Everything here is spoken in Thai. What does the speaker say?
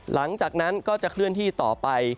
หลังจากนั้นก็จะเคลื่อนที่ต่อไป